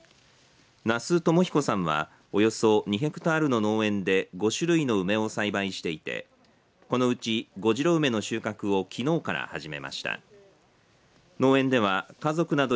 那須智彦さんはおよそ２ヘクタールの農園で５種類の梅を栽培していて古城梅の収穫をきのうから始めました。